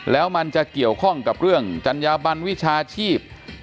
แล้วมันจะเกี่ยวข้องกับเรื่องจัญญาบันวิชาชีพ